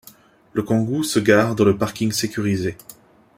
Le Kangoo se gare dans le parking sécurisé.